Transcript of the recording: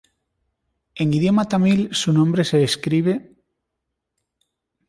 En idioma tamil, su nombre se escribe Aditya.